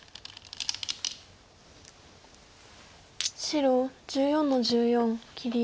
白１４の十四切り。